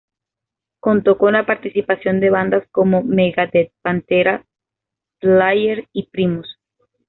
Contó con la participación de bandas como Megadeth, Pantera, Slayer y Primus.